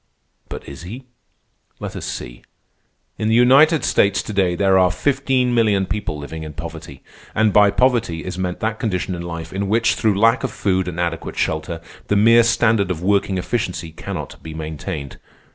But is he? Let us see. In the United States to day there are fifteen million people living in poverty; and by poverty is meant that condition in life in which, through lack of food and adequate shelter, the mere standard of working efficiency cannot be maintained.